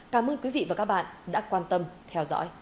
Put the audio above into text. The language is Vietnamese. cảm ơn quý vị và các bạn đã quan tâm theo dõi